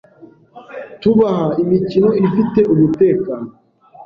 tubaha imikino ifite umutekano,